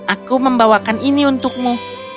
aku membawakan ini untukmu